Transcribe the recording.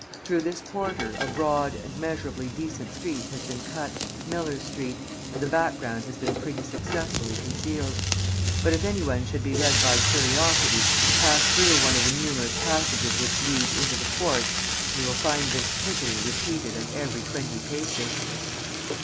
Through this quarter, a broad and measurably decent street has been cut, Millers Street, and the background has been pretty successfully concealed. But if any one should be led by curiosity to pass through one of the numerous passages which lead into the courts, he will find this piggery repeated at every twenty paces.